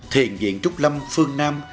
thiền viện trúc lâm phương nam